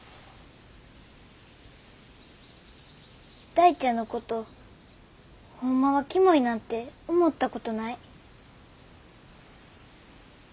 大ちゃんのことホンマはキモいなんて思ったことない。